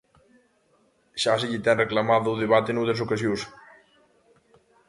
Xa se lle ten reclamado o debate noutras ocasións.